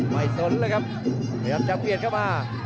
สนเลยครับพยายามจะเปลี่ยนเข้ามา